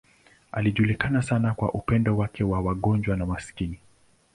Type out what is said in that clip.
Alijulikana sana kwa upendo wake kwa wagonjwa na maskini.